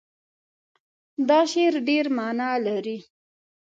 دا شعر ډېر معنا لري.